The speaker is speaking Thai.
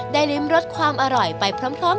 ริมรสความอร่อยไปพร้อม